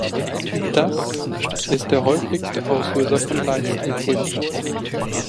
Das ist der häufigste Auslöser von Leistenbrüchen.